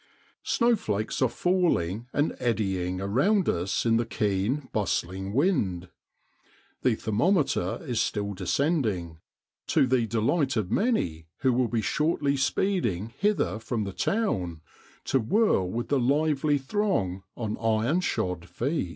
Snowflakes are falling and eddying around us in the keen, bustling wind. The thermometer is still descending, to the delight of many who will be shortly speeding hither from the town, to whirl with the lively throng on iron shod feet.